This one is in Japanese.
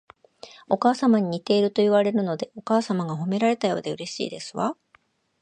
お母様に似ているといわれるので、お母様が褒められたようでうれしいですわ